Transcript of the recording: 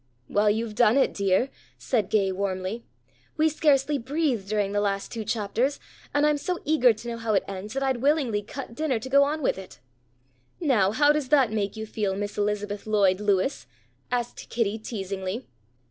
"Well, you've done it, dear," said Gay warmly. "We scarcely breathed during the last two chapters, and I'm so eager to know how it ends that I'd willingly cut dinner to go on with it." "Now how does that make you feel, Miss Elizabeth Lloyd Lewis?" asked Kitty teasingly.